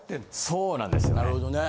そうなんですよね。